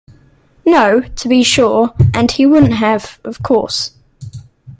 No, to be sure, and he wouldn't have, of course.